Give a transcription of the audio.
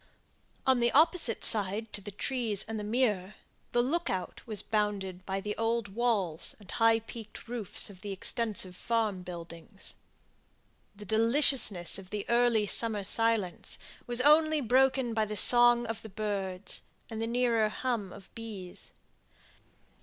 On the opposite side to the trees and the mere, the look out was bounded by the old walls and high peaked roofs of the extensive farm buildings. The deliciousness of the early summer silence was only broken by the song of the birds, and the nearer hum of bees.